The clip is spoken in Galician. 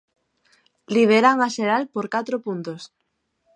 Lideran a xeral por catro puntos.